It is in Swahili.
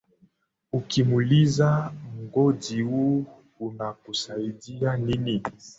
ukimuliza mgodi huu unakusaidia nini